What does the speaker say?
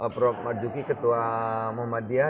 prof madjuki ketua muhammadiyah